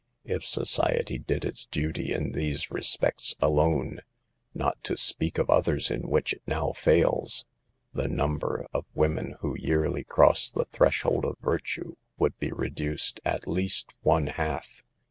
If society did its duty in these respects alone, not to speak of others in which it now fails, the number of women who yearly cross the threshold of virtue would be reduced at least one half.